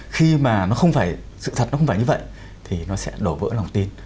khi mà sự thật nó không phải như vậy thì nó sẽ đổ vỡ lòng tin